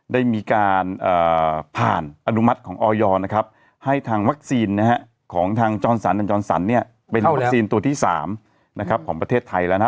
ได้มีการผ่านอนุมัติของออยให้ทางวัคซีนของทางจรสรรอันจรสรรเป็นตัวที่๓นะครับของประเทศไทยแล้วนะ